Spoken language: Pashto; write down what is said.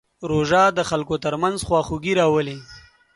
روژه د خلکو ترمنځ خواخوږي راولي.